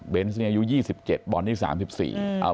เบ้นอายุ๒๗บอนอายุ๓๔